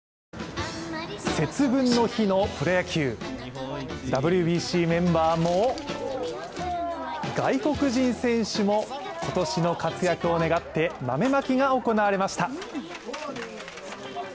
節分の日のプロ野球、ＷＢＣメンバーも外国人選手も今年の活躍を願って豆まきが行われました。